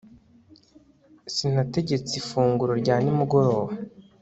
sinategetse ifunguro rya nimugoroba